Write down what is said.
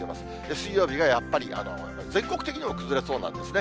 水曜日がやっぱり、全国的にも崩れそうなんですね。